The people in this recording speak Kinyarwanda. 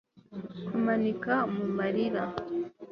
Kumanika mumarira